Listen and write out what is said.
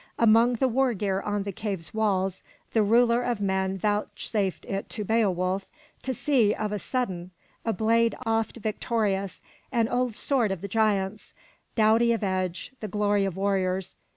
Among the war gear on the cave's walls the Ruler of men vouchsafed it to Beowulf to see of a sudden, a blade oft victorious, an old sword of the giants, doughty of edge, the glory of warriors.